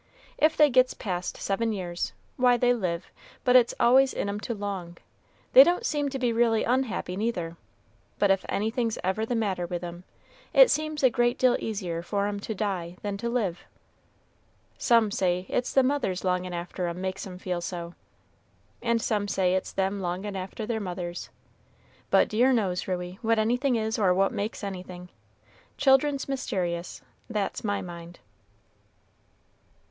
If they gets past seven years, why they live; but it's always in 'em to long; they don't seem to be really unhappy neither, but if anything's ever the matter with 'em, it seems a great deal easier for 'em to die than to live. Some say it's the mothers longin' after 'em makes 'em feel so, and some say it's them longin' after their mothers; but dear knows, Ruey, what anything is or what makes anything. Children's mysterious, that's my mind."